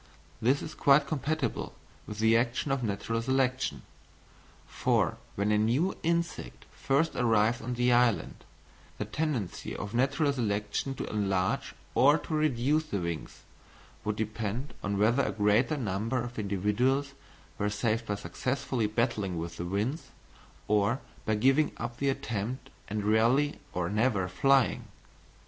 This is quite compatible with the action of natural selection. For when a new insect first arrived on the island, the tendency of natural selection to enlarge or to reduce the wings, would depend on whether a greater number of individuals were saved by successfully battling with the winds, or by giving up the attempt and rarely or never flying.